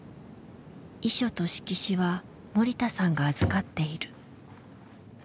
遺書と色紙は森田さんが預かっている。